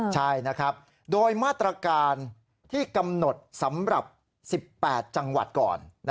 ใช่นะครับโดยมาตรการที่กำหนดสำหรับ๑๘จังหวัดก่อน